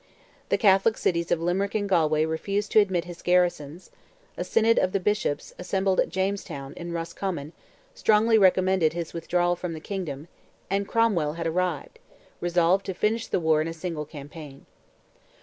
The Catholic cities of Limerick and Galway refused to admit his garrisons; a synod of the Bishops, assembled at Jamestown (in Roscommon), strongly recommended his withdrawal from the kingdom; and Cromwell had arrived, resolved to finish the war in a single campaign.